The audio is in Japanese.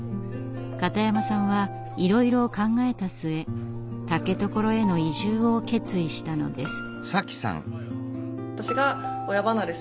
片山さんはいろいろ考えた末竹所への移住を決意したのです。